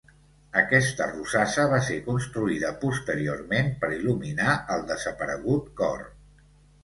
Aquesta rosassa va ser construïda posteriorment per il·luminar el desaparegut cor.